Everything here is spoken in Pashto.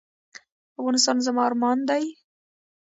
افغانستان زما ارمان دی؟